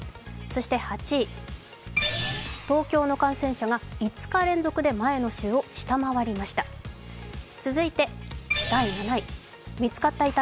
そして８位、東京の感染者が５日連続で前の週を下回りました。